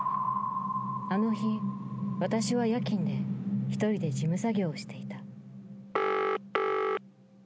あの日私は夜勤で１人で事務作業をしていた。